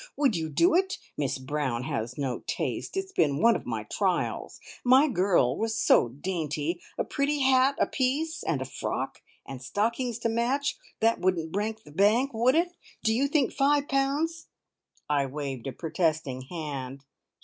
Would you do it? Miss Brown has no taste. It's been one of my trials. My girl was so dainty. A pretty hat apiece, and a frock, and stockings to match that wouldn't break the bank, would it? Do you think five pounds " I waved a protesting hand.